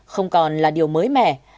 không còn là điều mới mẻ